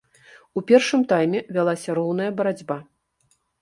У першым тайме вялася роўная барацьба.